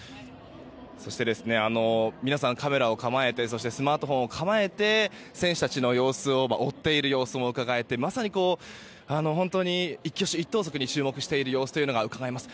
そして、皆さんカメラを構えてスマートフォンを構えて選手たちを追っている様子もうかがえてまさに、一挙手一投足に注目している様子というのがうかがえます。